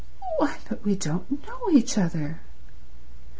"Why, but we don't know each other."